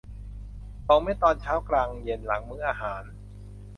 สองเม็ดตอนเช้า กลาง เย็น หลังมื้ออาหาร